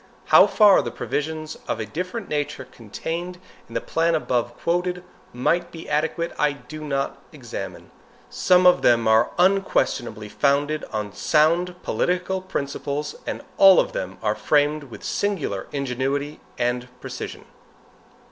How far the provisions of a different nature contained in the plan above quoted might be adequate, I do not examine. Some of them are unquestionably founded on sound political principles, and all of them are framed with singular ingenuity and precision.